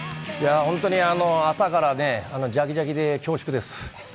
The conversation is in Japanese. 朝からジャキジャキで恐縮です。